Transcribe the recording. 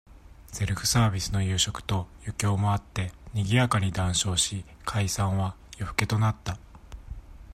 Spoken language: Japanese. セルフサービスの夕食と、余興もあって、賑やかに談笑し、解散は、夜更けとなった。